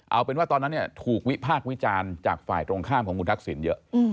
เอาเป็นว่าตอนนั้นถูกวิภาควิจารณ์จากฝ่ายตรงข้ามของคุณทักศิลป์เยอะ